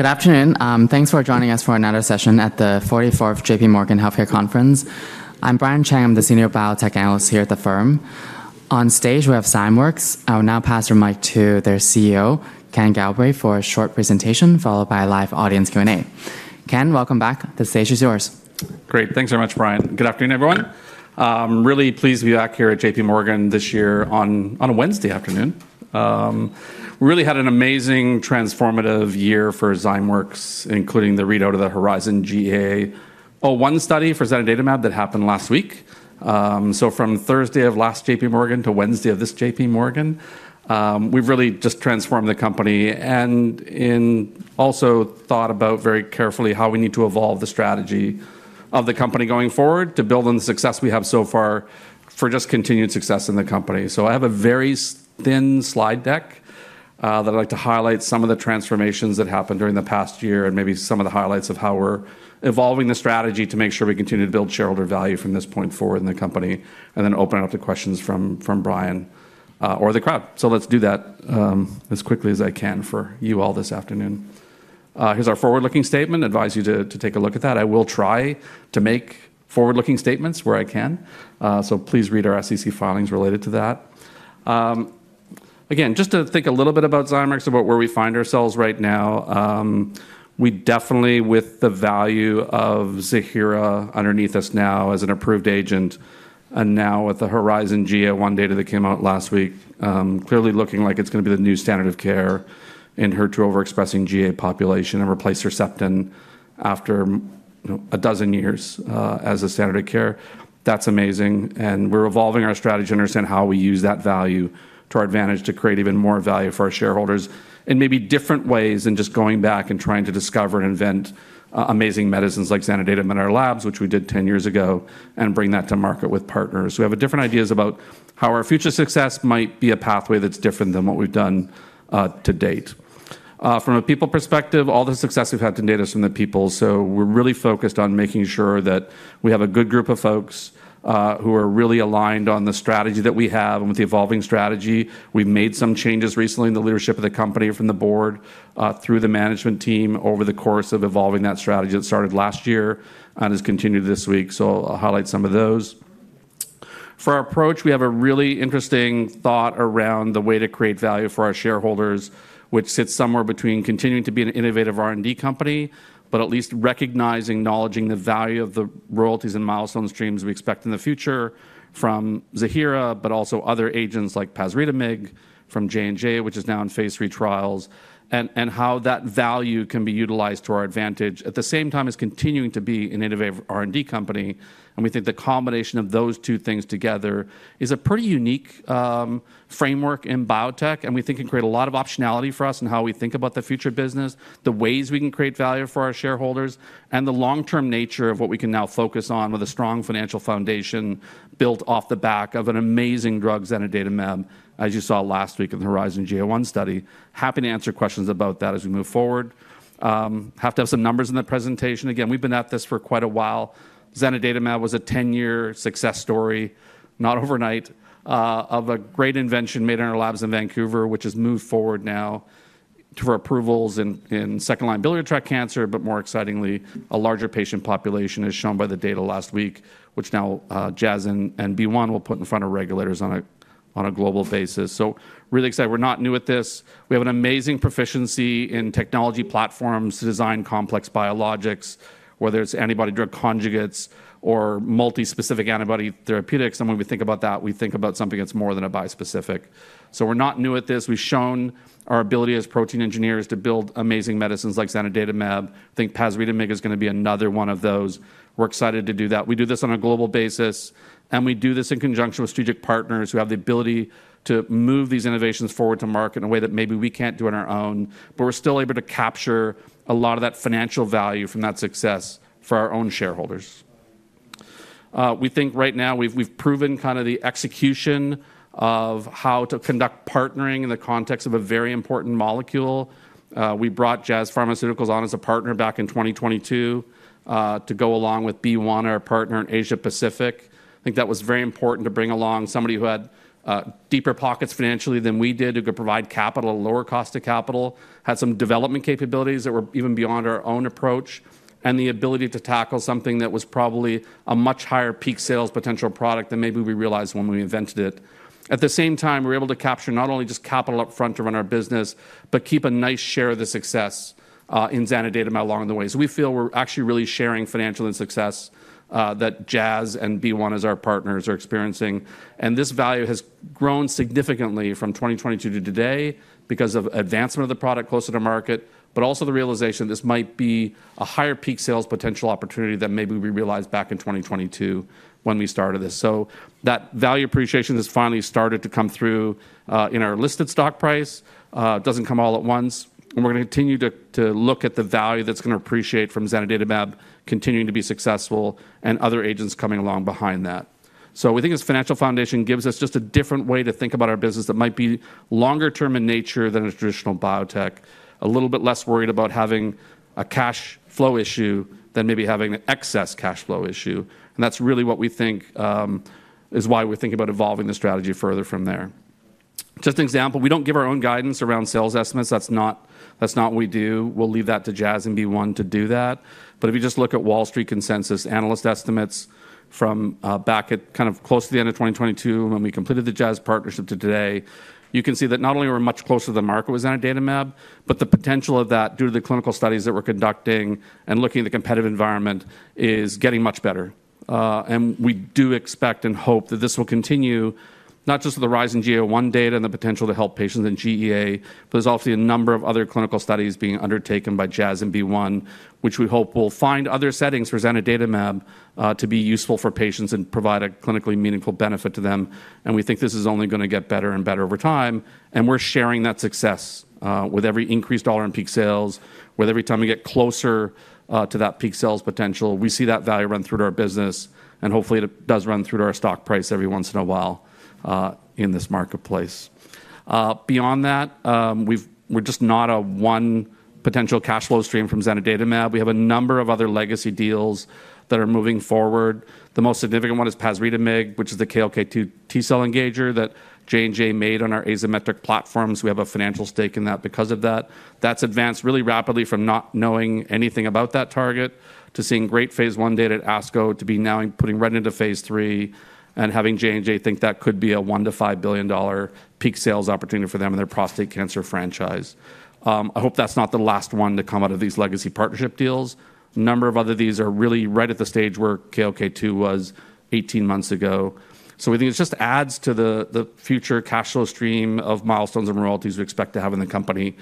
Good afternoon. Thanks for joining us for another session at the 44th JPMorgan Healthcare Conference. I'm Brian Cheng. I'm the Senior Biotech Analyst here at the firm. On stage, we have Zymeworks. I will now pass the mic to their CEO, Ken Galbraith, for a short presentation followed by a live audience Q&A. Ken, welcome back. The stage is yours. Great. Thanks very much, Brian. Good afternoon, everyone. I'm really pleased to be back here at JPMorgan this year on a Wednesday afternoon. We really had an amazing, transformative year for Zymeworks, including the readout of the HERIZON-GEA-01 study for zanidatamab that happened last week. So from Thursday of last JPMorgan to Wednesday of this JPMorgan, we've really just transformed the company and also thought about very carefully how we need to evolve the strategy of the company going forward to build on the success we have so far for just continued success in the company. So I have a very thin slide deck that I'd like to highlight some of the transformations that happened during the past year and maybe some of the highlights of how we're evolving the strategy to make sure we continue to build shareholder value from this point forward in the company and then open it up to questions from Brian or the crowd. So let's do that as quickly as I can for you all this afternoon. Here's our forward-looking statement. I advise you to take a look at that. I will try to make forward-looking statements where I can. So please read our SEC filings related to that. Again, just to think a little bit about Zymeworks, about where we find ourselves right now, we definitely, with the value of Ziihera underneath us now as an approved agent and now with the HERIZON-GEA-01 data that came out last week, clearly looking like it's going to be the new standard of care in HER2-overexpressing GEA population and replace Herceptin after a dozen years as a standard of care. That's amazing. And we're evolving our strategy to understand how we use that value to our advantage to create even more value for our shareholders in maybe different ways than just going back and trying to discover and invent amazing medicines like zanidatamab in our labs, which we did 10 years ago, and bring that to market with partners. We have different ideas about how our future success might be a pathway that's different than what we've done to date. From a people perspective, all the success we've had to date is from the people. So we're really focused on making sure that we have a good group of folks who are really aligned on the strategy that we have and with the evolving strategy. We've made some changes recently in the leadership of the company from the board through the management team over the course of evolving that strategy that started last year and has continued this week. So I'll highlight some of those. For our approach, we have a really interesting thought around the way to create value for our shareholders, which sits somewhere between continuing to be an innovative R&D company, but at least recognizing, acknowledging the value of the royalties and milestone streams we expect in the future from Ziihera, but also other agents like pasritamig from J&J, which is now in phase III trials, and how that value can be utilized to our advantage at the same time as continuing to be an innovative R&D company, and we think the combination of those two things together is a pretty unique framework in biotech. We think it can create a lot of optionality for us in how we think about the future business, the ways we can create value for our shareholders, and the long-term nature of what we can now focus on with a strong financial foundation built off the back of an amazing drug, zanidatamab, as you saw last week in the HERIZON-GEA-01 study. Happy to answer questions about that as we move forward. I have to have some numbers in the presentation. Again, we've been at this for quite a while. Zanidatamab was a 10-year success story, not overnight, of a great invention made in our labs in Vancouver, which has moved forward now for approvals in second-line biliary tract cancer, but more excitingly, a larger patient population, as shown by the data last week, which now Jazz and BeOne will put in front of regulators on a global basis. So really excited. We're not new at this. We have an amazing proficiency in technology platforms to design complex biologics, whether it's antibody-drug conjugates or multi-specific antibody therapeutics. And when we think about that, we think about something that's more than a bispecific. So we're not new at this. We've shown our ability as protein engineers to build amazing medicines like zanidatamab. I think pasritamig is going to be another one of those. We're excited to do that. We do this on a global basis, and we do this in conjunction with strategic partners who have the ability to move these innovations forward to market in a way that maybe we can't do on our own, but we're still able to capture a lot of that financial value from that success for our own shareholders. We think right now we've proven kind of the execution of how to conduct partnering in the context of a very important molecule. We brought Jazz Pharmaceuticals on as a partner back in 2022 to go along with BeOne, our partner in Asia-Pacific. I think that was very important to bring along somebody who had deeper pockets financially than we did, who could provide capital, lower cost of capital, had some development capabilities that were even beyond our own approach, and the ability to tackle something that was probably a much higher peak sales potential product than maybe we realized when we invented it. At the same time, we were able to capture not only just capital upfront to run our business, but keep a nice share of the success in zanidatamab along the way. So we feel we're actually really sharing financial success that Jazz and BeOne as our partners are experiencing. And this value has grown significantly from 2022 to today because of advancement of the product closer to market, but also the realization this might be a higher peak sales potential opportunity than maybe we realized back in 2022 when we started this. So that value appreciation has finally started to come through in our listed stock price. It doesn't come all at once. And we're going to continue to look at the value that's going to appreciate from zanidatamab continuing to be successful and other agents coming along behind that. So we think this financial foundation gives us just a different way to think about our business that might be longer-term in nature than a traditional biotech, a little bit less worried about having a cash flow issue than maybe having an excess cash flow issue. And that's really what we think is why we're thinking about evolving the strategy further from there. Just an example, we don't give our own guidance around sales estimates. That's not what we do. We'll leave that to Jazz and BeOne to do that. But if you just look at Wall Street consensus analyst estimates from back at kind of close to the end of 2022 when we completed the Jazz partnership to today, you can see that not only we're much closer to the market with zanidatamab, but the potential of that due to the clinical studies that we're conducting and looking at the competitive environment is getting much better. We do expect and hope that this will continue not just with the HERIZON-GEA-01 data and the potential to help patients in GEA, but there's obviously a number of other clinical studies being undertaken by Jazz and BeOne, which we hope will find other settings for zanidatamab to be useful for patients and provide a clinically meaningful benefit to them. We think this is only going to get better and better over time. We're sharing that success with every increased dollar in peak sales, with every time we get closer to that peak sales potential, we see that value run through to our business. Hopefully, it does run through to our stock price every once in a while in this marketplace. Beyond that, we're just not a one potential cash flow stream from zanidatamab. We have a number of other legacy deals that are moving forward. The most significant one is pasritamig, which is the KLK2 T-cell engager that J&J made on our Azymetric platforms. We have a financial stake in that because of that. That's advanced really rapidly from not knowing anything about that target to seeing great phase I data at ASCO to be now putting right into phase III and having J&J think that could be a $1-$5 billion peak sales opportunity for them and their prostate cancer franchise. I hope that's not the last one to come out of these legacy partnership deals. A number of other of these are really right at the stage where KLK2 was 18 months ago. So we think it just adds to the future cash flow stream of milestones and royalties we expect to have in the company.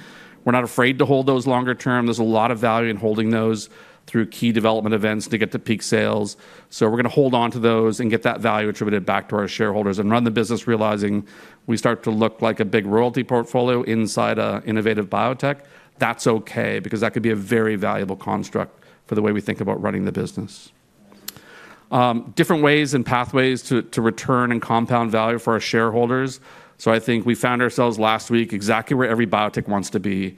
We're not afraid to hold those longer term. There's a lot of value in holding those through key development events to get to peak sales. So we're going to hold on to those and get that value attributed back to our shareholders and run the business realizing we start to look like a big royalty portfolio inside an innovative biotech. That's okay because that could be a very valuable construct for the way we think about running the business. Different ways and pathways to return and compound value for our shareholders. So I think we found ourselves last week exactly where every biotech wants to be.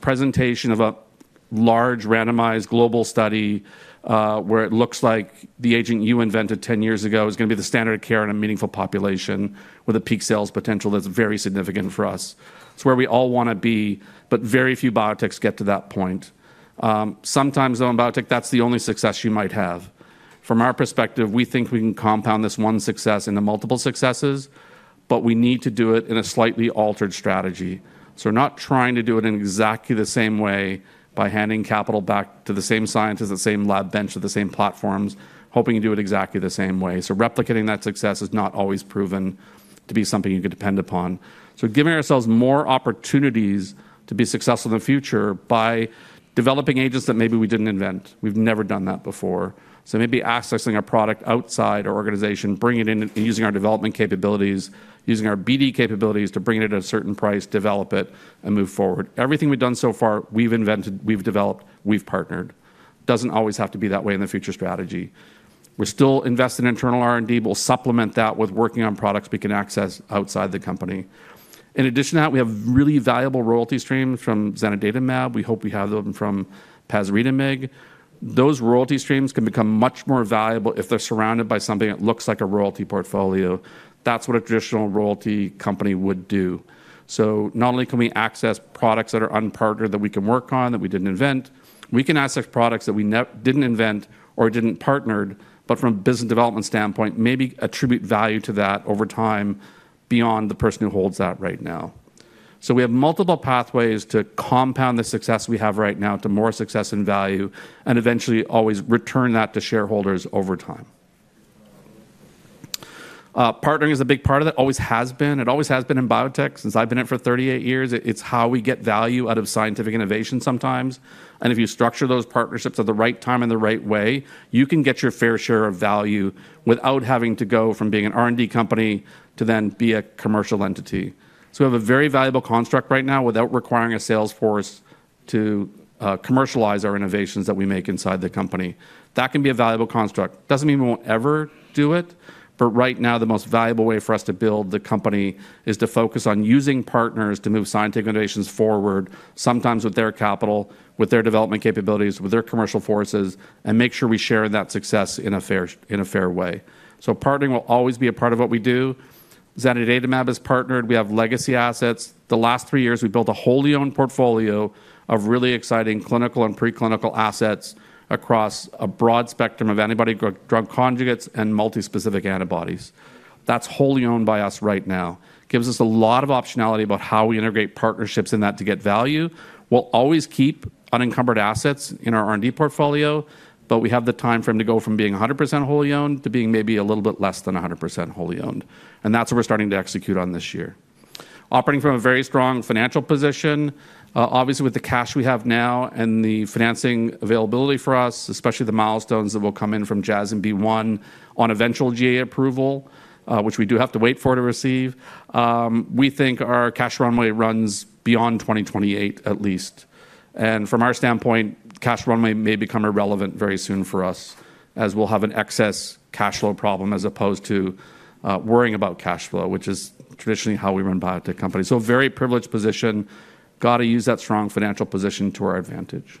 Presentation of a large randomized global study where it looks like the agent you invented 10 years ago is going to be the standard of care in a meaningful population with a peak sales potential that's very significant for us. It's where we all want to be, but very few biotechs get to that point. Sometimes, though, in biotech, that's the only success you might have. From our perspective, we think we can compound this one success into multiple successes, but we need to do it in a slightly altered strategy. So we're not trying to do it in exactly the same way by handing capital back to the same scientists, the same lab bench, the same platforms, hoping to do it exactly the same way. So replicating that success is not always proven to be something you could depend upon. So giving ourselves more opportunities to be successful in the future by developing agents that maybe we didn't invent. We've never done that before. So maybe accessing a product outside our organization, bringing it in and using our development capabilities, using our BD capabilities to bring it at a certain price, develop it, and move forward. Everything we've done so far, we've invented, we've developed, we've partnered. Doesn't always have to be that way in the future strategy. We're still invested in internal R&D, but we'll supplement that with working on products we can access outside the company. In addition to that, we have really valuable royalty streams from zanidatamab. We hope we have them from pasritamig. Those royalty streams can become much more valuable if they're surrounded by something that looks like a royalty portfolio. That's what a traditional royalty company would do. So not only can we access products that are unpartnered that we can work on that we didn't invent, we can access products that we didn't invent or didn't partnered, but from a business development standpoint, maybe attribute value to that over time beyond the person who holds that right now. So we have multiple pathways to compound the success we have right now to more success and value and eventually always return that to shareholders over time. Partnering is a big part of it. It always has been. It always has been in biotech. Since I've been in it for 38 years, it's how we get value out of scientific innovation sometimes. And if you structure those partnerships at the right time and the right way, you can get your fair share of value without having to go from being an R&D company to then be a commercial entity. So we have a very valuable construct right now without requiring a sales force to commercialize our innovations that we make inside the company. That can be a valuable construct. It doesn't mean we won't ever do it, but right now, the most valuable way for us to build the company is to focus on using partners to move scientific innovations forward, sometimes with their capital, with their development capabilities, with their commercial forces, and make sure we share that success in a fair way. So partnering will always be a part of what we do. Zanidatamab is partnered. We have legacy assets. The last three years, we built a wholly owned portfolio of really exciting clinical and preclinical assets across a broad spectrum of antibody-drug conjugates and multi-specific antibodies. That's wholly owned by us right now. It gives us a lot of optionality about how we integrate partnerships in that to get value. We'll always keep unencumbered assets in our R&D portfolio, but we have the time frame to go from being 100% wholly owned to being maybe a little bit less than 100% wholly owned. And that's what we're starting to execute on this year. Operating from a very strong financial position, obviously with the cash we have now and the financing availability for us, especially the milestones that will come in from Jazz and BeOne on eventual BLA approval, which we do have to wait for to receive, we think our cash runway runs beyond 2028 at least. And from our standpoint, cash runway may become irrelevant very soon for us as we'll have an excess cash flow problem as opposed to worrying about cash flow, which is traditionally how we run biotech companies. So very privileged position. Got to use that strong financial position to our advantage.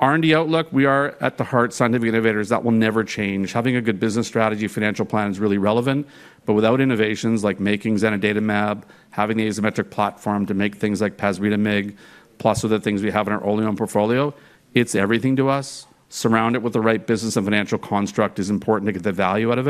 R&D outlook, we are at the heart of scientific innovators that will never change. Having a good business strategy, financial plan is really relevant, but without innovations like making zanidatamab, having the Azymetric platform to make things like pasritamig, plus with the things we have in our wholly owned portfolio, it's everything to us. Surround it with the right business and financial construct is important to get the value out of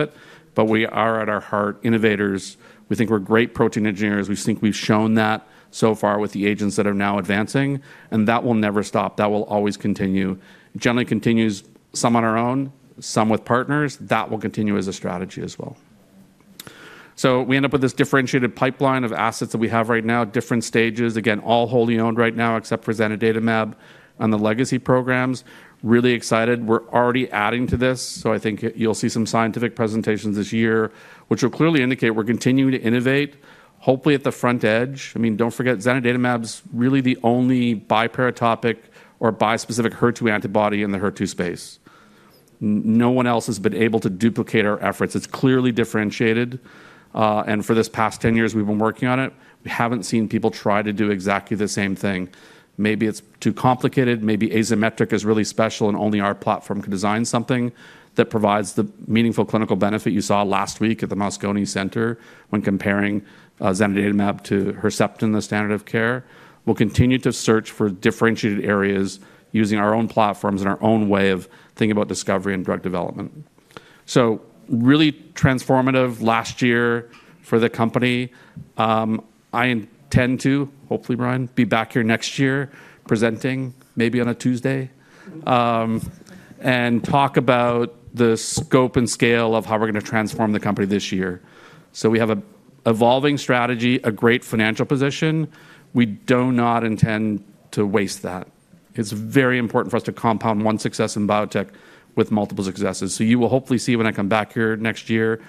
it. But we are at our heart innovators. We think we're great protein engineers. We think we've shown that so far with the agents that are now advancing. And that will never stop. That will always continue. It generally continues some on our own, some with partners. That will continue as a strategy as well. So we end up with this differentiated pipeline of assets that we have right now, different stages. Again, all wholly owned right now except for zanidatamab and the legacy programs. Really excited. We're already adding to this. So I think you'll see some scientific presentations this year, which will clearly indicate we're continuing to innovate, hopefully at the front edge. I mean, don't forget, zanidatamab is really the only biparatopic or bispecific HER2 antibody in the HER2 space. No one else has been able to duplicate our efforts. It's clearly differentiated. And for this past 10 years, we've been working on it. We haven't seen people try to do exactly the same thing. Maybe it's too complicated. Maybe Azymetric is really special and only our platform can design something that provides the meaningful clinical benefit you saw last week at the Moscone Center when comparing zanidatamab to Herceptin, the standard of care. We'll continue to search for differentiated areas using our own platforms and our own way of thinking about discovery and drug development. So really transformative last year for the company. I intend to, hopefully, Brian, be back here next year presenting, maybe on a Tuesday, and talk about the scope and scale of how we're going to transform the company this year. So we have an evolving strategy, a great financial position. We do not intend to waste that. It's very important for us to compound one success in biotech with multiple successes. So, you will hopefully see when I come back here next year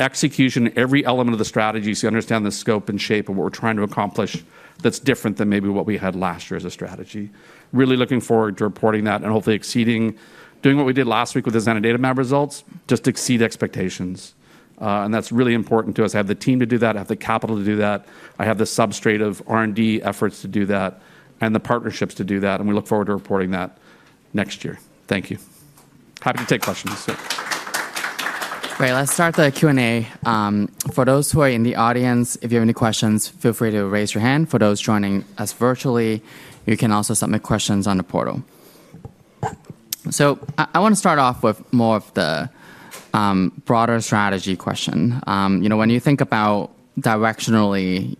execution in every element of the strategy so you understand the scope and shape of what we're trying to accomplish. That's different than maybe what we had last year as a strategy. Really looking forward to reporting that and hopefully exceeding doing what we did last week with the zanidatamab results just to exceed expectations. And that's really important to us. I have the team to do that. I have the capital to do that. I have the substrate of R&D efforts to do that and the partnerships to do that. And we look forward to reporting that next year. Thank you. Happy to take questions. All right. Let's start the Q&A. For those who are in the audience, if you have any questions, feel free to raise your hand. For those joining us virtually, you can also submit questions on the portal. So I want to start off with more of the broader strategy question. When you think about directionally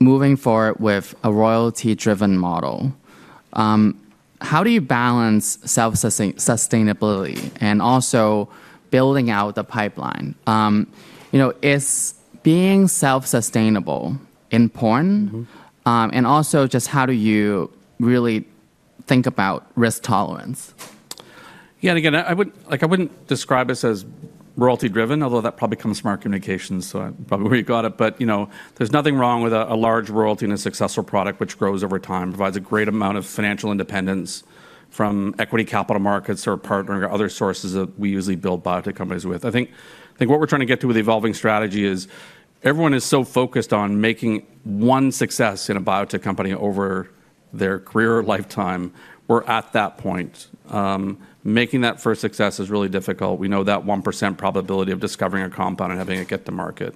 moving forward with a royalty-driven model, how do you balance self-sustainability and also building out the pipeline? Is being self-sustainable important? And also just how do you really think about risk tolerance? Yeah. And again, I wouldn't describe this as royalty-driven, although that probably comes from our communications, so I'm probably where you got it. But there's nothing wrong with a large royalty and a successful product which grows over time, provides a great amount of financial independence from equity capital markets or partnering or other sources that we usually build biotech companies with. I think what we're trying to get to with evolving strategy is everyone is so focused on making one success in a biotech company over their career lifetime. We're at that point. Making that first success is really difficult. We know that 1% probability of discovering a compound and having it get to market.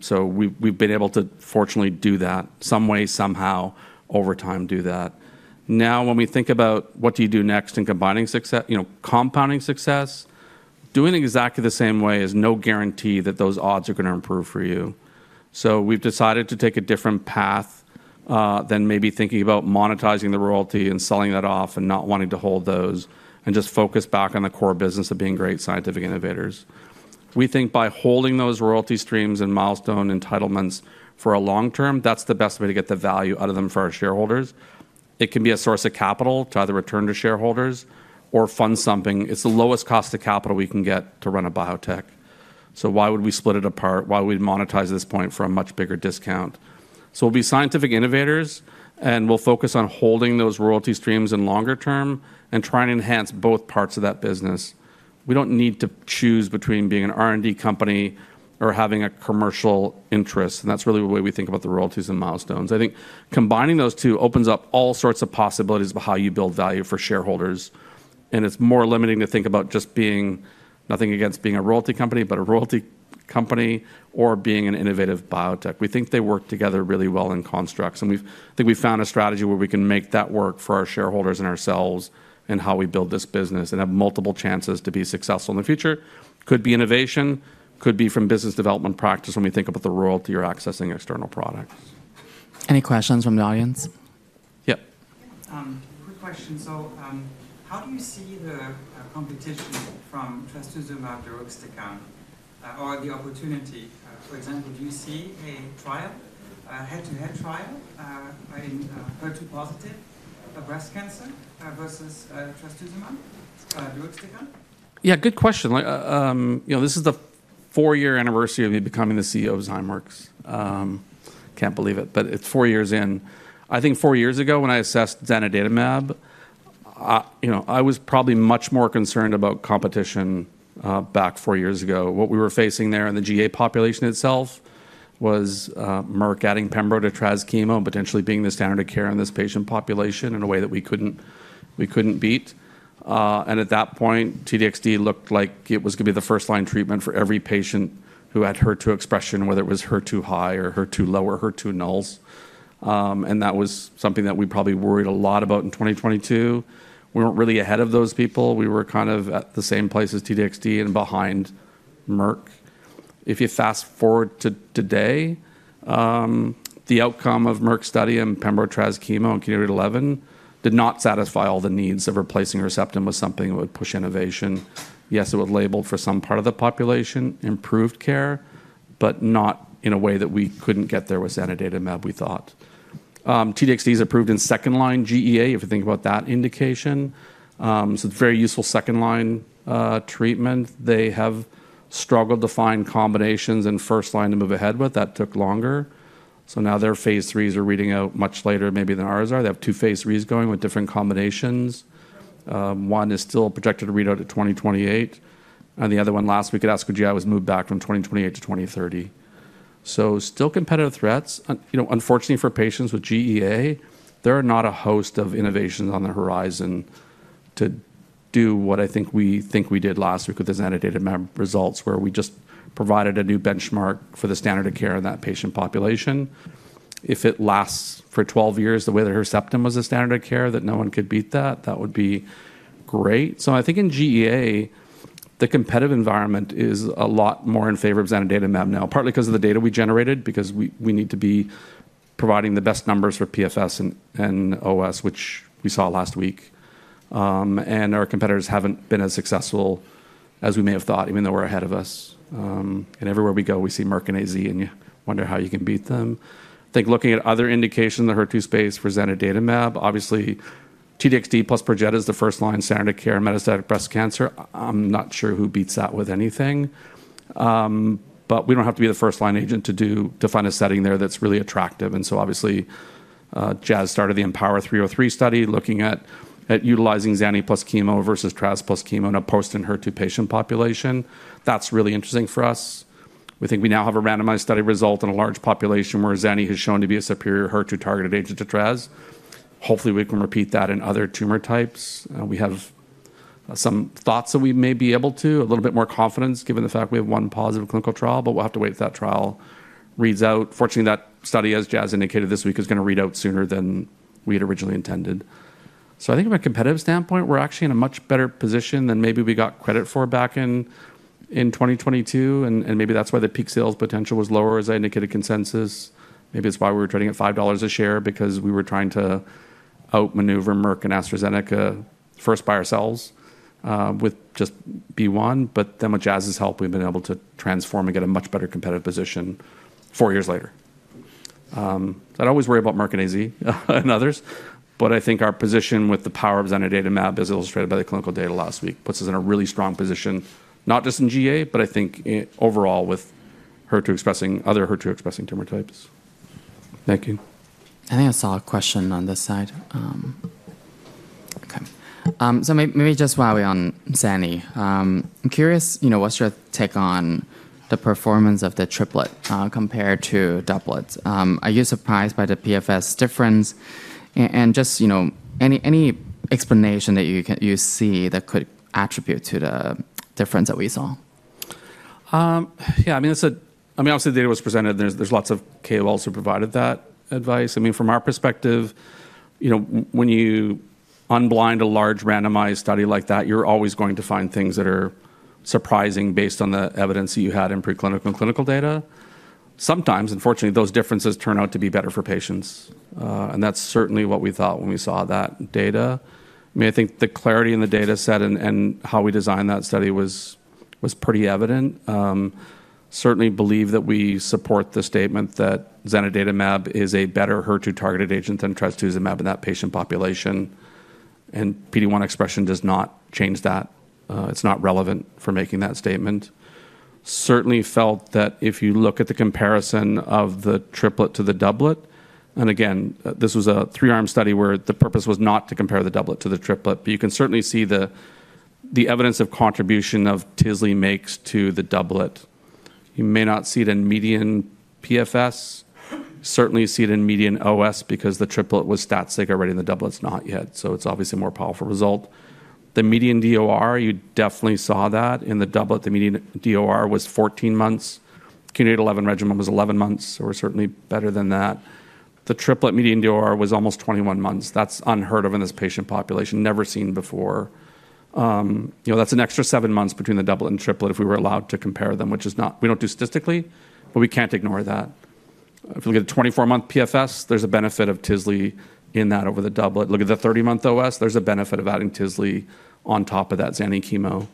So we've been able to fortunately do that some way, somehow over time do that. Now, when we think about what do you do next in combining success, compounding success, doing it exactly the same way is no guarantee that those odds are going to improve for you. So we've decided to take a different path than maybe thinking about monetizing the royalty and selling that off and not wanting to hold those and just focus back on the core business of being great scientific innovators. We think by holding those royalty streams and milestone entitlements for a long term, that's the best way to get the value out of them for our shareholders. It can be a source of capital to either return to shareholders or fund something. It's the lowest cost of capital we can get to run a biotech. So why would we split it apart? Why would we monetize at this point for a much bigger discount? So we'll be scientific innovators, and we'll focus on holding those royalty streams in longer term and trying to enhance both parts of that business. We don't need to choose between being an R&D company or having a commercial interest. And that's really the way we think about the royalties and milestones. I think combining those two opens up all sorts of possibilities about how you build value for shareholders. And it's more limiting to think about just being nothing against being a royalty company, but a royalty company or being an innovative biotech. We think they work together really well in constructs. And I think we found a strategy where we can make that work for our shareholders and ourselves and how we build this business and have multiple chances to be successful in the future. Could be innovation, could be from business development practice when we think about the royalty or accessing external products. Any questions from the audience? Yeah. Quick question. So how do you see the competition from trastuzumab, deruxtecan, or the opportunity? For example, do you see a trial, a head-to-head trial in HER2-positive breast cancer versus trastuzumab, deruxtecan? Yeah, good question. This is the four-year anniversary of me becoming the CEO of Zymeworks. Can't believe it, but it's four years in. I think four years ago when I assessed zanidatamab, I was probably much more concerned about competition back four years ago. What we were facing there in the GEA population itself was Merck adding pembro to tras and potentially being the standard of care in this patient population in a way that we couldn't beat. And at that point, T-DXd looked like it was going to be the first-line treatment for every patient who had HER2 expression, whether it was HER2 high or HER2 low or HER2 nulls. And that was something that we probably worried a lot about in 2022. We weren't really ahead of those people. We were kind of at the same place as T-DXd and behind Merck. If you fast forward to today, the outcome of Merck's study in pembro, tras, and KEYNOTE-811 did not satisfy all the needs of replacing Herceptin with something that would push innovation. Yes, it would label for some part of the population, improved care, but not in a way that we couldn't get there with zanidatamab, we thought. T-DXd is approved in second-line GEA, if you think about that indication. So it's a very useful second-line treatment. They have struggled to find combinations in first line to move ahead with. That took longer. So now their phase III are reading out much later maybe than ours are. They have two phase III going with different combinations. One is still projected to read out at 2028, and the other one last week at ASCO GI was moved back from 2028 to 2030. So still competitive threats. Unfortunately, for patients with GEA, there are not a host of innovations on the horizon to do what I think we think we did last week with the zanidatamab results where we just provided a new benchmark for the standard of care in that patient population. If it lasts for 12 years the way that Herceptin was a standard of care that no one could beat that, that would be great. So I think in GEA, the competitive environment is a lot more in favor of zanidatamab now, partly because of the data we generated, because we need to be providing the best numbers for PFS and OS, which we saw last week. And our competitors haven't been as successful as we may have thought, even though we're ahead of us. And everywhere we go, we see Merck and AZ, and you wonder how you can beat them. I think looking at other indications in the HER2 space for zanidatamab, obviously, T-DXd plus Perjeta is the first-line standard of care in metastatic breast cancer. I'm not sure who beats that with anything. But we don't have to be the first-line agent to find a setting there that's really attractive. And so obviously, Jazz started the EmpowHER-303 study looking at utilizing zani plus chemo versus tras plus chemo in a post-anti-HER2 patient population. That's really interesting for us. We think we now have a randomized study result in a large population where zani has shown to be a superior HER2-targeted agent to tras. Hopefully, we can repeat that in other tumor types. We have some thoughts that we may be able to a little bit more confidence given the fact we have one positive clinical trial, but we'll have to wait for that trial to read out. Fortunately, that study, as Jazz indicated this week, is going to read out sooner than we had originally intended. So I think from a competitive standpoint, we're actually in a much better position than maybe we got credit for back in 2022. And maybe that's why the peak sales potential was lower, as I indicated consensus. Maybe it's why we were trading at $5 a share because we were trying to outmaneuver Merck and AstraZeneca first by ourselves with just BeOne. But then with Jazz's help, we've been able to transform and get a much better competitive position four years later. So I don't always worry about Merck and AZ and others. But I think our position with the power of zanidatamab, as illustrated by the clinical data last week, puts us in a really strong position, not just in GEA, but I think overall with HER2-expressing other HER2-expressing tumor types. Thank you. I think I saw a question on this side. Okay. So maybe just while we're on zani, I'm curious, what's your take on the performance of the triplet compared to doublets? Are you surprised by the PFS difference? And just any explanation that you see that could attribute to the difference that we saw? Yeah. I mean, obviously, the data was presented. There's lots of KOLs who provided that advice. I mean, from our perspective, when you unblind a large randomized study like that, you're always going to find things that are surprising based on the evidence that you had in preclinical and clinical data. Sometimes, unfortunately, those differences turn out to be better for patients. And that's certainly what we thought when we saw that data. I mean, I think the clarity in the data set and how we designed that study was pretty evident. Certainly believe that we support the statement that zanidatamab is a better HER2-targeted agent than trastuzumab in that patient population. And PD-1 expression does not change that. It's not relevant for making that statement. Certainly felt that if you look at the comparison of the triplet to the doublet, and again, this was a three-arm study where the purpose was not to compare the doublet to the triplet, but you can certainly see the evidence of contribution of tisle makes to the doublet. You may not see it in median PFS. Certainly see it in median OS because the triplet was stat-sig already in the doublets, not yet. So it's obviously a more powerful result. The median DOR, you definitely saw that. In the doublet, the median DOR was 14 months. KEYNOTE-811 regimen was 11 months. So we're certainly better than that. The triplet median DOR was almost 21 months. That's unheard of in this patient population. Never seen before. That's an extra seven months between the doublet and triplet if we were allowed to compare them, which is not. We don't do statistically, but we can't ignore that. If you look at the 24-month PFS, there's a benefit of tisle in that over the doublet. Look at the 30-month OS. There's a benefit of adding tisle on top of that zani chemo,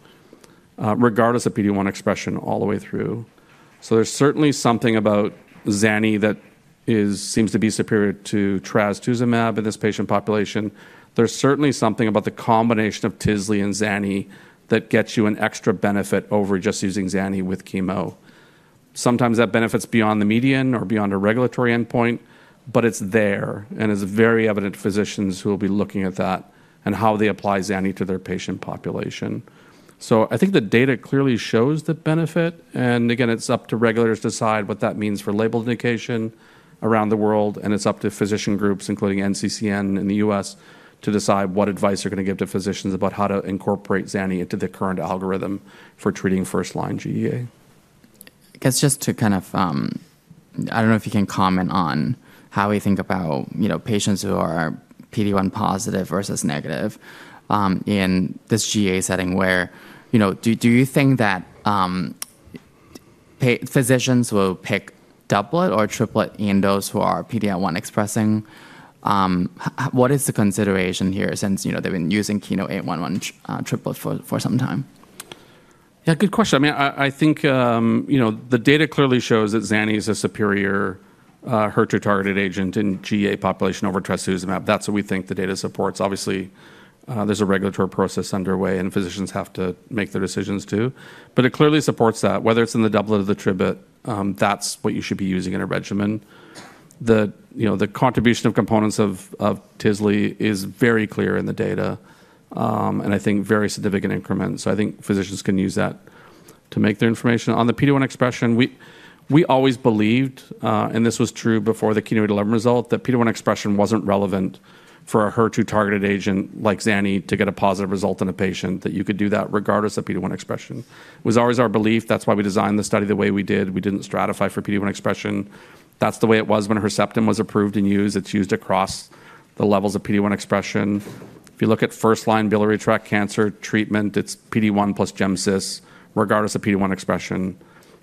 regardless of PD-1 expression all the way through. So there's certainly something about zani that seems to be superior to trastuzumab in this patient population. There's certainly something about the combination of tisle and zani that gets you an extra benefit over just using zani with chemo. Sometimes that benefits beyond the median or beyond a regulatory endpoint, but it's there, and it's very evident to physicians who will be looking at that and how they apply zani to their patient population. So I think the data clearly shows the benefit. And again, it's up to regulators to decide what that means for label indication around the world. And it's up to physician groups, including NCCN in the US, to decide what advice they're going to give to physicians about how to incorporate zanidatamab into the current algorithm for treating first-line GEA. I guess just to kind of, I don't know, if you can comment on how we think about patients who are PD-1 positive versus negative in this GEA setting. Where do you think that physicians will pick doublet or triplet in those who are PD-1 expressing? What is the consideration here since they've been using chemo KEYNOTE-811 triplet for some time? Yeah, good question. I mean, I think the data clearly shows that zani is a superior HER2-targeted agent in GEA population over trastuzumab. That's what we think the data supports. Obviously, there's a regulatory process underway, and physicians have to make their decisions too. But it clearly supports that. Whether it's in the doublet or the triplet, that's what you should be using in a regimen. The contribution of components of tisle is very clear in the data, and I think very significant increments. So I think physicians can use that to make informed decisions. On the PD-1 expression, we always believed, and this was true before the KEYNOTE-811 result, that PD-1 expression wasn't relevant for a HER2-targeted agent like zani to get a positive result in a patient, that you could do that regardless of PD-1 expression. It was always our belief. That's why we designed the study the way we did. We didn't stratify for PD-1 expression. That's the way it was when Herceptin was approved and used. It's used across the levels of PD-1 expression. If you look at first-line biliary tract cancer treatment, it's PD-1 plus GemCis, regardless of PD-1 expression.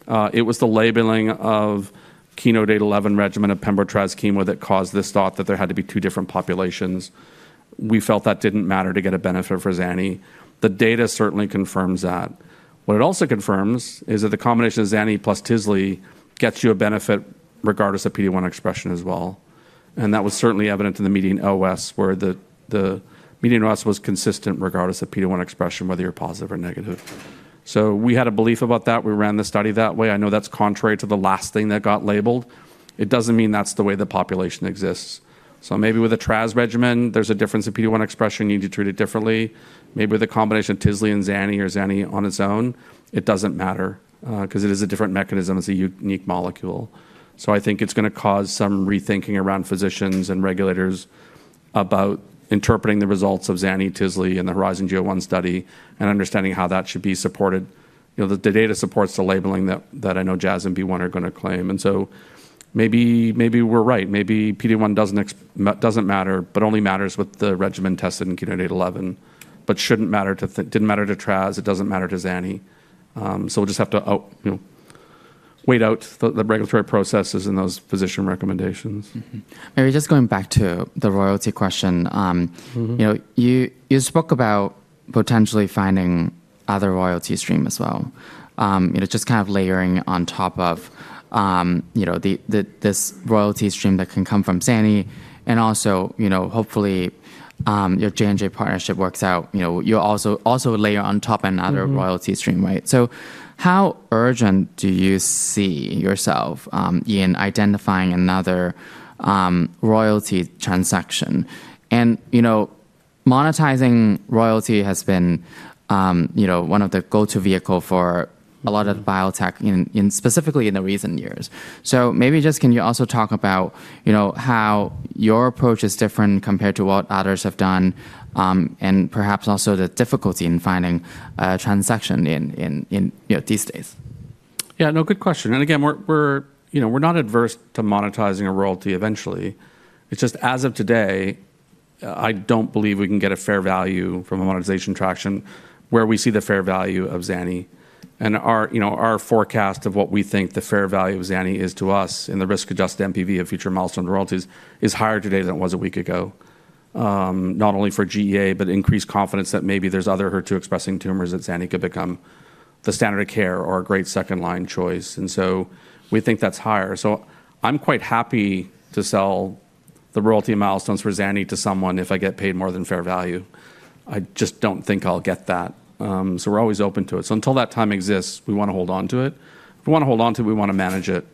It was the labeling of KEYNOTE-811 regimen of pembro, tras, chemo that caused this thought that there had to be two different populations. We felt that didn't matter to get a benefit for zani. The data certainly confirms that. What it also confirms is that the combination of zani plus tisle gets you a benefit regardless of PD-1 expression as well, and that was certainly evident in the median OS where the median OS was consistent regardless of PD-1 expression, whether you're positive or negative, so we had a belief about that. We ran the study that way. I know that's contrary to the last thing that got labeled. It doesn't mean that's the way the population exists. So maybe with a tras regimen, there's a difference in PD-1 expression. You need to treat it differently. Maybe with a combination of tisle and zani or zani on its own, it doesn't matter because it is a different mechanism. It's a unique molecule. So I think it's going to cause some rethinking around physicians and regulators about interpreting the results of zani, tisle, and the HERIZON-GEA-01 study and understanding how that should be supported. The data supports the labeling that I know Jazz and BeOne are going to claim. And so maybe we're right. Maybe PD-1 doesn't matter, but only matters with the regimen tested in KEYNOTE-811, but shouldn't matter. It didn't matter to tras. It doesn't matter to zani. So we'll just have to wait out the regulatory processes and those physician recommendations. Maybe just going back to the royalty question, you spoke about potentially finding other royalty streams as well, just kind of layering on top of this royalty stream that can come from zani. And also, hopefully, your J&J partnership works out. You'll also layer on top of another royalty stream, right? So how urgent do you see yourself in identifying another royalty transaction? And monetizing royalty has been one of the go-to vehicles for a lot of biotech, specifically in the recent years. So maybe just can you also talk about how your approach is different compared to what others have done and perhaps also the difficulty in finding a transaction these days? Yeah, no, good question. And again, we're not averse to monetizing a royalty eventually. It's just as of today, I don't believe we can get a fair value from a monetization transaction where we see the fair value of zani. And our forecast of what we think the fair value of zani is to us and the risk-adjusted NPV of future milestone royalties is higher today than it was a week ago, not only for GEA, but increased confidence that maybe there's other HER2-expressing tumors that zanib could become the standard of care or a great second-line choice. And so we think that's higher. So I'm quite happy to sell the royalty milestones for zani to someone if I get paid more than fair value. I just don't think I'll get that. So we're always open to it. So until that time exists, we want to hold on to it. If we want to hold on to it, we want to manage it.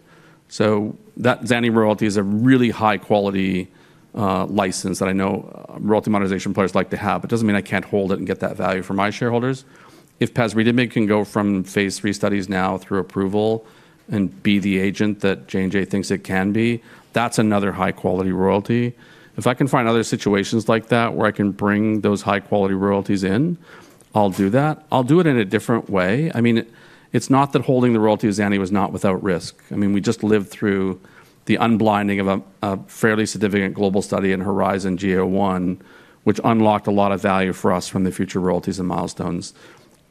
So that zani royalty is a really high-quality license that I know royalty monetization players like to have. It doesn't mean I can't hold it and get that value for my shareholders. If pasritamig can go from phase III studies now through approval and be the agent that J&J thinks it can be, that's another high-quality royalty. If I can find other situations like that where I can bring those high-quality royalties in, I'll do that. I'll do it in a different way. I mean, it's not that holding the royalty of zani was not without risk. I mean, we just lived through the unblinding of a fairly significant global study in HERIZON-GEA-01, which unlocked a lot of value for us from the future royalties and milestones.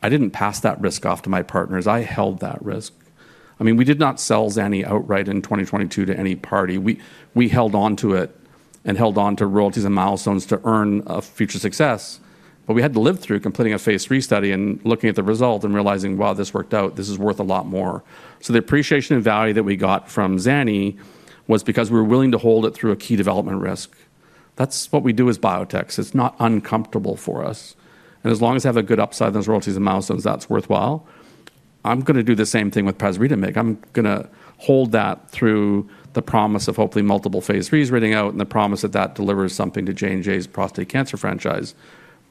I didn't pass that risk off to my partners. I held that risk. I mean, we did not sell zani outright in 2022 to any party. We held on to it and held on to royalties and milestones to earn a future success. But we had to live through completing a phase III study and looking at the result and realizing, wow, this worked out. This is worth a lot more. So the appreciation and value that we got from zani was because we were willing to hold it through a key development risk. That's what we do as biotechs. It's not uncomfortable for us. And as long as I have a good upside in those royalties and milestones, that's worthwhile. I'm going to do the same thing with pasritamig. I'm going to hold that through the promise of hopefully multiple phase IIIs riding out and the promise that that delivers something to J&J's prostate cancer franchise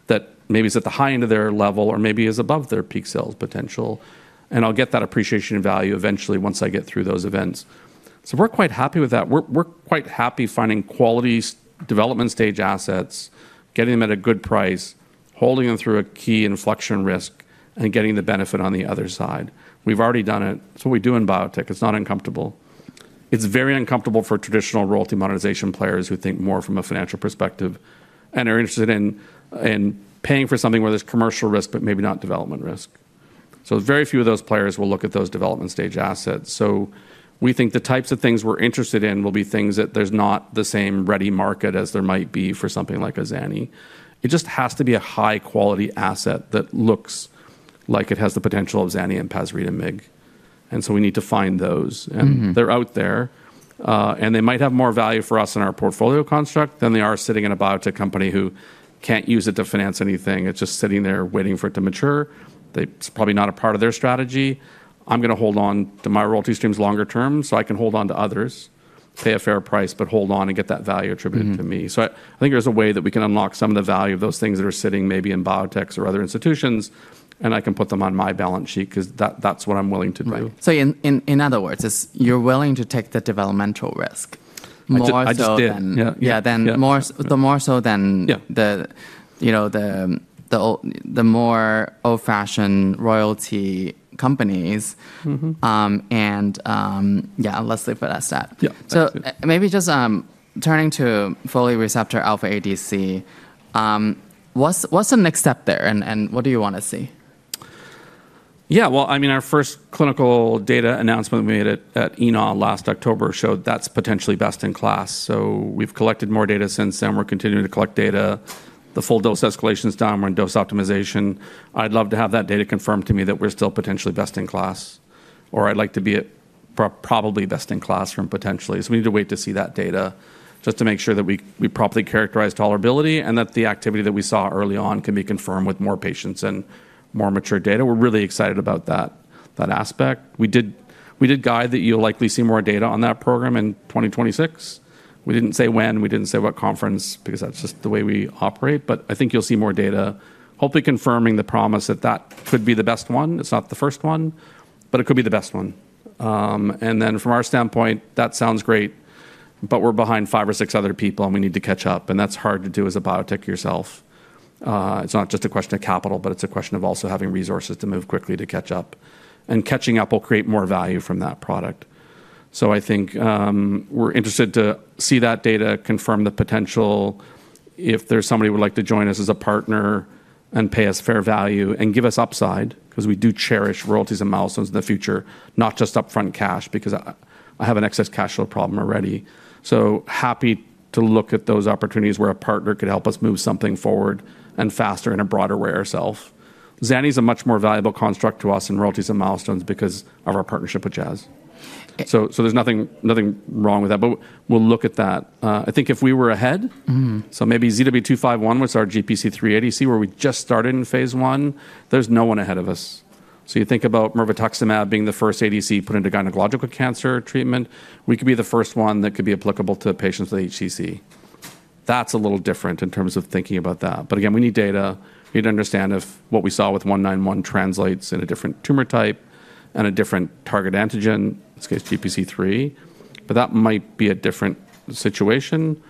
that maybe is at the high end of their level or maybe is above their peak sales potential. And I'll get that appreciation and value eventually once I get through those events. So we're quite happy with that. We're quite happy finding quality development stage assets, getting them at a good price, holding them through a key inflection risk, and getting the benefit on the other side. We've already done it. It's what we do in biotech. It's not uncomfortable. It's very uncomfortable for traditional royalty monetization players who think more from a financial perspective and are interested in paying for something where there's commercial risk, but maybe not development risk. Very few of those players will look at those development-stage assets. We think the types of things we're interested in will be things that there's not the same ready market as there might be for something like a zani. It just has to be a high-quality asset that looks like it has the potential of zani and pasritamig. We need to find those. They're out there. They might have more value for us in our portfolio construct than they are sitting in a biotech company who can't use it to finance anything. It's just sitting there waiting for it to mature. It's probably not a part of their strategy. I'm going to hold on to my royalty streams longer term so I can hold on to others, pay a fair price, but hold on and get that value attributed to me. So I think there's a way that we can unlock some of the value of those things that are sitting maybe in biotechs or other institutions, and I can put them on my balance sheet because that's what I'm willing to do. So in other words, you're willing to take the developmental risk more so than the more old-fashioned royalty companies. And yeah, let's leave it at that. So maybe just turning to folate receptor alpha ADC, what's the next step there and what do you want to see? Yeah, well, I mean, our first clinical data announcement we made at ESMO last October showed that's potentially best in class. So we've collected more data since then. We're continuing to collect data. The full dose escalation is done. We're in dose optimization. I'd love to have that data confirmed to me that we're still potentially best in class. Or I'd like to be at probably best in class from potentially. So we need to wait to see that data just to make sure that we properly characterize tolerability and that the activity that we saw early on can be confirmed with more patients and more mature data. We're really excited about that aspect. We did guide that you'll likely see more data on that program in 2026. We didn't say when. We didn't say what conference because that's just the way we operate. But I think you'll see more data, hopefully confirming the promise that that could be the best one. It's not the first one, but it could be the best one. And then from our standpoint, that sounds great, but we're behind five or six other people, and we need to catch up. And that's hard to do as a biotech yourself. It's not just a question of capital, but it's a question of also having resources to move quickly to catch up. And catching up will create more value from that product. So I think we're interested to see that data confirm the potential if there's somebody who would like to join us as a partner and pay us fair value and give us upside because we do cherish royalties and milestones in the future, not just upfront cash because I have an excess cash flow problem already. So happy to look at those opportunities where a partner could help us move something forward and faster in a broader way ourselves. Zani is a much more valuable construct to us in royalties and milestones because of our partnership with Jazz. So there's nothing wrong with that, but we'll look at that. I think if we were ahead, so maybe ZW251, which is our GPC3 ADC where we just started in phase I, there's no one ahead of us. So you think about mirvetuximab being the first ADC put into gynecological cancer treatment, we could be the first one that could be applicable to patients with HCC. That's a little different in terms of thinking about that. But again, we need data. We need to understand if what we saw with 191 translates in a different tumor type and a different target antigen, in this case, GPC3, but that might be a different situation,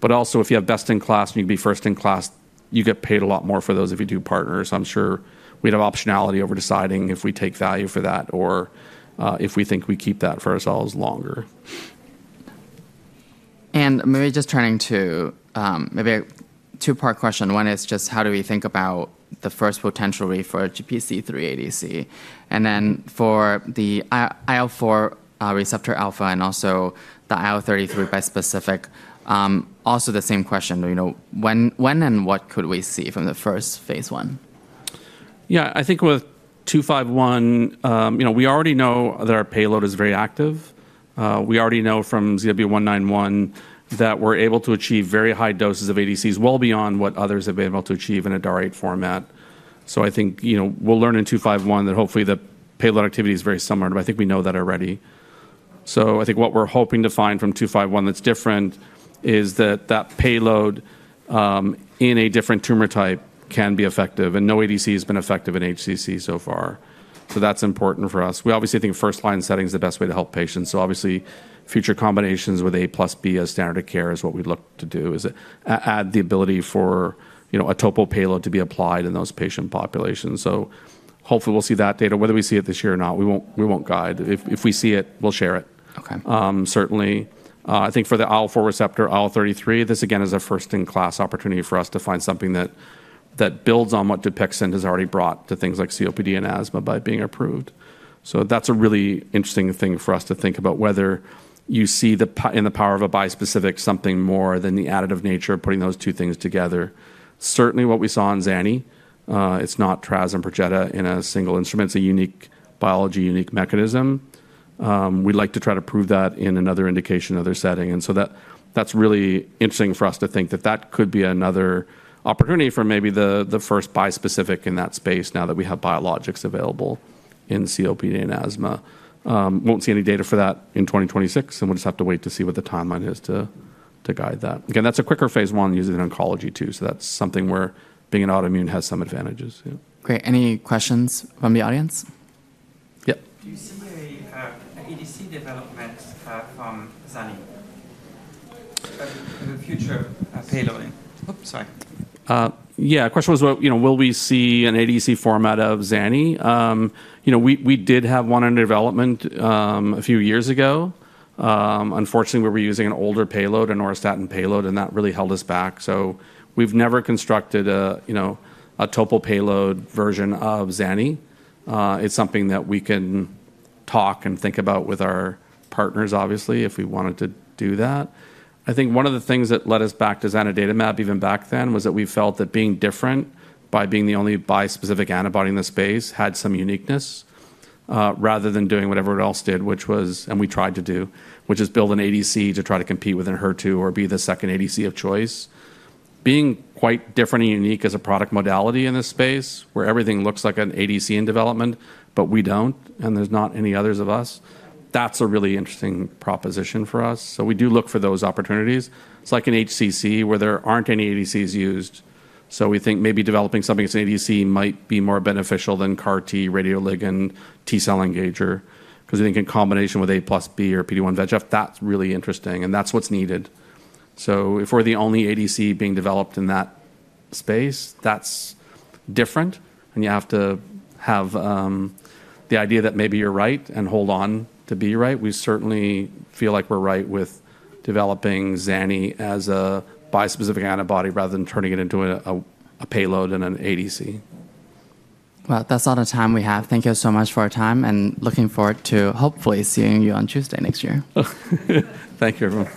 but also, if you have best in class and you can be first in class, you get paid a lot more for those if you do partners. I'm sure we'd have optionality over deciding if we take value for that or if we think we keep that for ourselves longer. And maybe just turning to maybe a two-part question. One is just how do we think about the first potential read for GPC3 ADC? And then for the IL-4 receptor alpha and also the IL-33 bispecific, also the same question. When and what could we see from the first phase I? Yeah, I think with 251, we already know that our payload is very active. We already know from ZW191 that we're able to achieve very high doses of ADCs well beyond what others have been able to achieve in a DAR-8 format. So I think we'll learn in 251 that hopefully the payload activity is very similar, but I think we know that already. So I think what we're hoping to find from 251 that's different is that that payload in a different tumor type can be effective, and no ADC has been effective in HCC so far. So that's important for us. We obviously think first-line setting is the best way to help patients. So obviously, future combinations with A + B as standard of care is what we'd look to do, is add the ability for a topo payload to be applied in those patient populations. So hopefully we'll see that data, whether we see it this year or not. We won't guide. If we see it, we'll share it. Certainly. I think for the IL-4 receptor, IL-33, this again is a first-in-class opportunity for us to find something that builds on what Dupixent has already brought to things like COPD and asthma by being approved. So that's a really interesting thing for us to think about whether you see in the power of a bispecific something more than the additive nature of putting those two things together. Certainly what we saw in zani, it's not tras and Perjeta in a single entity. It's a unique biology, unique mechanism. We'd like to try to prove that in another indication, other setting. That's really interesting for us to think that that could be another opportunity for maybe the first bispecific in that space now that we have biologics available in COPD and asthma. We won't see any data for that in 2026, and we'll just have to wait to see what the timeline is to guide that. Again, that's a quicker phase Ie using oncology too. That's something where being an autoimmune has some advantages. Great. Any questions from the audience? Yeah. Do you see any ADC development from Zymeworks for the future payloading? Oops, sorry. Yeah, the question was, will we see an ADC format of zani? We did have one under development a few years ago. Unfortunately, we were using an older payload, an auristatin payload, and that really held us back. So we've never constructed a topo payload version of zani. It's something that we can talk and think about with our partners, obviously, if we wanted to do that. I think one of the things that led us back to zanidatamab even back then was that we felt that being different by being the only bispecific antibody in the space had some uniqueness rather than doing what everyone else did, which was, and we tried to do, which is build an ADC to try to compete with Enhertu or be the second ADC of choice. Being quite different and unique as a product modality in this space where everything looks like an ADC in development, but we don't, and there's not any others of us, that's a really interesting proposition for us. So we do look for those opportunities. It's like an HCC where there aren't any ADCs used. So we think maybe developing something as an ADC might be more beneficial than CAR-T, Radioligand, T-cell engager because I think in combination with A + B or PD-1 VEGF, that's really interesting. And that's what's needed. So if we're the only ADC being developed in that space, that's different. And you have to have the idea that maybe you're right and hold on to be right. We certainly feel like we're right with developing zani as a bispecific antibody rather than turning it into a payload and an ADC. That's all the time we have. Thank you so much for your time, and looking forward to hopefully seeing you on Tuesday next year. Thank you, everyone.